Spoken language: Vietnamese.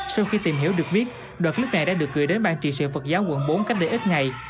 sau khi tìm hiểu được biết đoạn clip này đã được gửi đến ban trị sự phật giáo quận bốn cách đây ít ngày